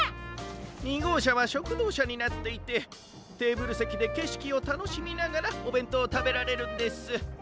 ２ごうしゃはしょくどうしゃになっていてテーブルせきでけしきをたのしみながらおべんとうをたべられるんです。